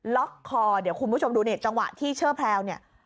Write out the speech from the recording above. ล็อกคอเดี๋ยวคุณผู้ชมดูเนี่ยจังหวะที่เชอร์แพลวเนี่ย